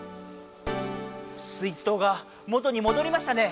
スイーツ島が元にもどりましたね！